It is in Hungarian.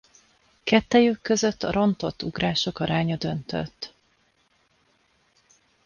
Kettejük között a rontott ugrások aránya döntött.